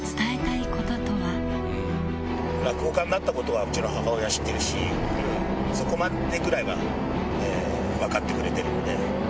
母、落語家になったことはうちの母親知ってるし、そこまでぐらいは分かってくれてるんで。